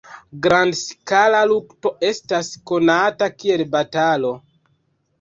Grand-skala lukto estas konata kiel batalo.